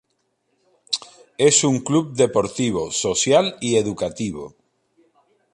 Es un club deportivo, social y educativo.